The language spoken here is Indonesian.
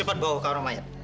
cepat bawa ke rumah mayat